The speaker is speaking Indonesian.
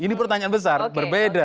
ini pertanyaan besar berbeda